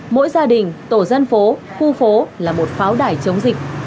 mỗi gia đình tổ dân phố khu phố là một pháo đài chống dịch